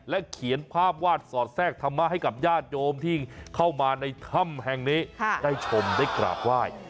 เขียนภาพวาดสอดแทรกธรรมะให้กับญาติโยมที่เข้ามาในถ้ำแห่งนี้ได้ชมได้กราบไหว้